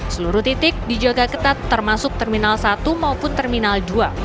seluruh titik dijaga ketat termasuk terminal satu maupun terminal dua